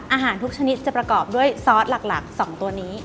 อาหารทุกชนิดจะประกอบด้วยซอสหลัก๒ตัวนี้